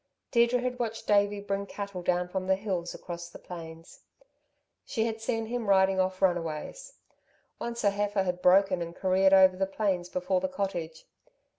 Deirdre had watched Davey bring cattle down from the hills across the plains. She had seen him riding off runaways. Once a heifer had broken and careered over the plains before the cottage.